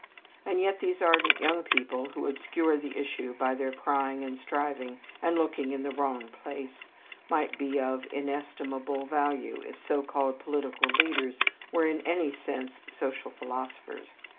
And yet these ardent young people who obscure the issue by their crying and striving and looking in the wrong place, might be of inestimable value if so called political leaders were in any sense social philosophers.